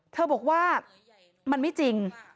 เธอบอกว่ามันไม่จริง